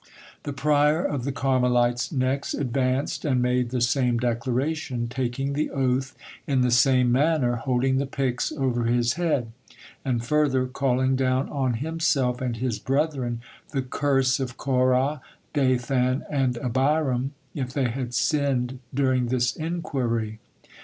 The prior of the Carmelites next advanced and made the same declaration, taking the oath in the same manner, holding the pyx over his head; and further calling down on himself and his brethren the curse of Korah, Dathan, and Abiram if they had sinned during this inquiry.